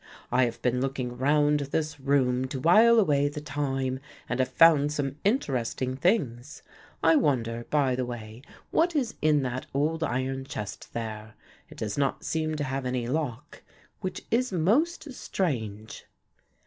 "I have been looking round this room to while away the time and have found some interesting things. I wonder, by the way, what is in that old iron chest there. It does not seem to have any lock, which is most strange."